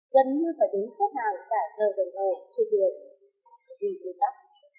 gần như phải đến xét hàng cả giờ gần hồ trên đường vì ưu tắc